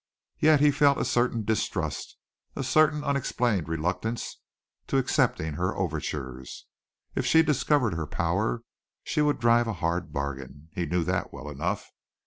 Yet he felt a certain distrust, a certain unexplained reluctance to accepting her overtures. If she discovered her power, she would drive a hard bargain he knew that well enough.